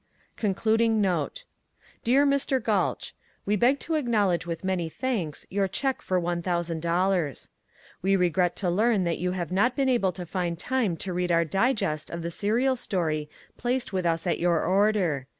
CONCLUDING NOTE Dear Mr. Gulch: We beg to acknowledge with many thanks your cheque for one thousand dollars. We regret to learn that you have not been able to find time to read our digest of the serial story placed with us at your order.